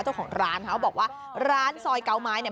เจ้าของร้านบอกว่าร้านซอยเกาไม้